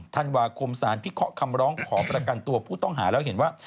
ธันวาคมสารพิเคราะห์คำร้องขอประกันตัวผู้ต้องหาแล้วเห็นว่า